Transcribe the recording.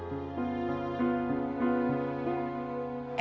yang boleh aku makan